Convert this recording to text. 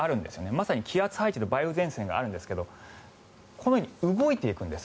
まさに気圧配置の梅雨前線があるんですがこのように動いていくんです